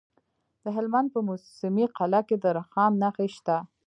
د هلمند په موسی قلعه کې د رخام نښې شته.